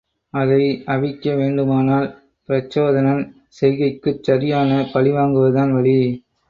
அதை அவிக்க வேண்டுமானால் பிரச்சோதனன் செய்கைக்குச் சரியான பழிவாங்குவதுதான் வழி.